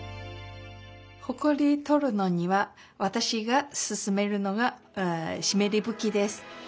ほこり取るのにはわたしがすすめるのがしめりぶきです。